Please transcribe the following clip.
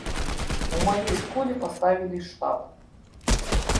У маёй школе паставілі штаб.